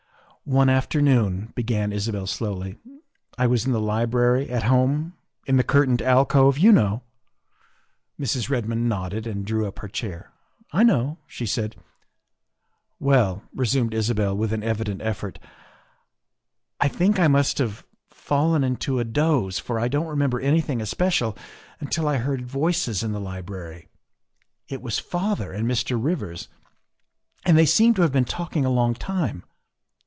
'' One afternoon, '' began Isabel slowly, '' I was in the library at home in the curtained alcove, you know." Mrs. Redmond nodded and drew up her chair. " I know," she said. " Well," resumed Isabel with an evident effort, " I think I must have fallen into a doze, for I don't remem ber anything especial until I heard voices in the library. It was father and Mr. Rivers, and they seemed to have been talking a long time.